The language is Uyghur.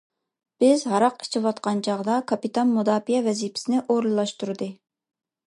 بىز ھاراق ئىچىۋاتقان چاغدا كاپىتان مۇداپىئە ۋەزىپىسىنى ئورۇنلاشتۇردى.